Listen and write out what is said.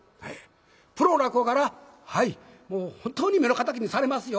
プロの落語家からはいもう本当に目の敵にされますよ。